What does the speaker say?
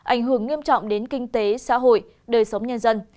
ảnh hưởng nghiêm trọng đến kinh tế xã hội đời sống nhân dân